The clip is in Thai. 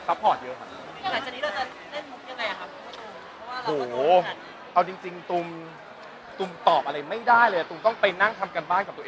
เขาทำบุญหนักมากครับ